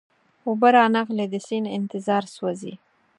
اوبه را نغلې د سیند انتظار سوزي